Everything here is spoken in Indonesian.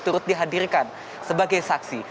turut dihadirkan sebagai saksi